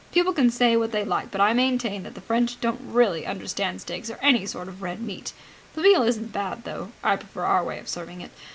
People can say what they like, but I maintain that the French don't really understand steaks or any sort of red meat. The veal isn't bad, though I prefer our way of serving it.